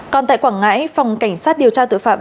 còn tại quảng ngãi phòng cảnh sát điều tra tội phạm